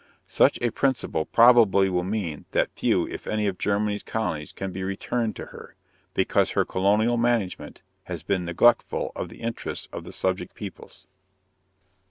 Such a principle probably will mean that few if any of Germany's colonies can be returned to her, because her colonial management has been neglectful of the interests of the subject peoples.